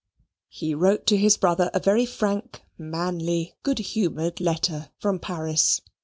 He wrote to his brother a very frank, manly, good humoured letter from Paris.